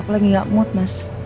aku lagi gak mut mas